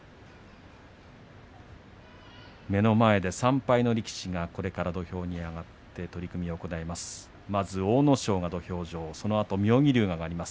目の前で３敗の力士がこれから土俵に上がって取組を行います。